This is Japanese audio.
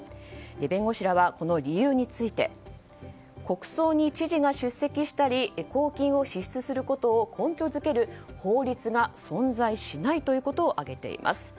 弁護士らはこの理由について国葬に知事が出席したり公金を支出することを根拠づける法律が存在しないということを挙げています。